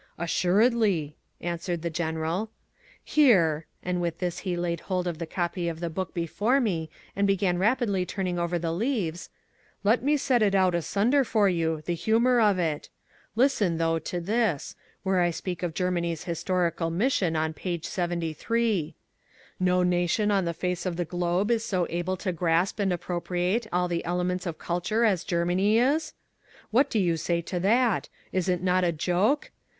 "Assuredly," answered the General. "Here" and with this he laid hold of the copy of the book before me and began rapidly turning over the leaves "let me set it out asunder for you, the humour of it. Listen, though, to this, where I speak of Germany's historical mission on page 73, 'No nation on the face of the globe is so able to grasp and appropriate all the elements of culture as Germany is?' What do you say to that? Is it not a joke?